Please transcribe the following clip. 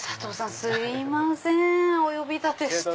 すいませんお呼び立てして。